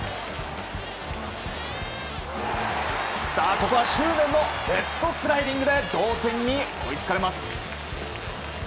ここは執念のヘッドスライディングで同点に追いつかれます。